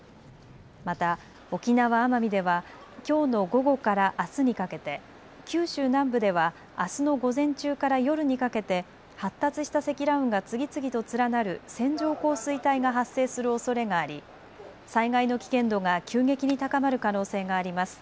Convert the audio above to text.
また沖縄・奄美ではきょうの午後からあすにかけて、九州南部ではあすの午前中から夜にかけて、発達した積乱雲が次々と連なる線状降水帯が発生するおそれがあり災害の危険度が急激に高まる可能性があります。